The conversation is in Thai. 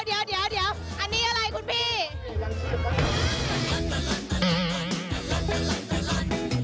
เดี๋ยวอันนี้อะไรคุณพี่